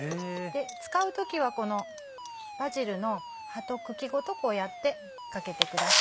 使う時はバジルの葉と茎ごとこうやってかけてください。